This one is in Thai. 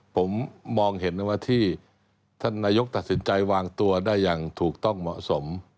ผมมองเห็นว่าที่ท่านนายกตัดสินใจวางตัวได้อย่างถูกต้องเหมาะสม